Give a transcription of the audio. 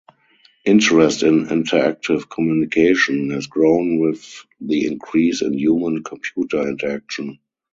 Interest in interactive communication has grown with the increase in human-computer interaction.